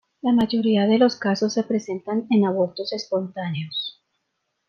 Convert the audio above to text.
La mayoría de los casos se presentan en abortos espontáneos.